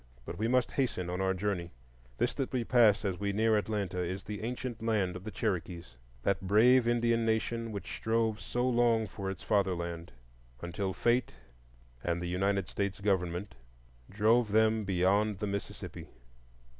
But we must hasten on our journey. This that we pass as we near Atlanta is the ancient land of the Cherokees,—that brave Indian nation which strove so long for its fatherland, until Fate and the United States Government drove them beyond the Mississippi.